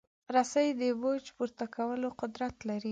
رسۍ د بوج پورته کولو قدرت لري.